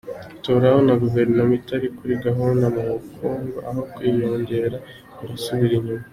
Turabona Guverinoma itari kuri gahunda mu bukungu, aho kwiyongera burasubira inyuma.